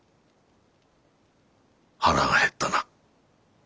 腹が減ったな。